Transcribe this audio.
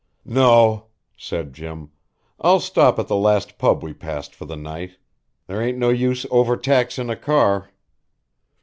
"No," said Jim. "I'll stop at the last pub we passed for the night. There ain't no use over taxin' a car."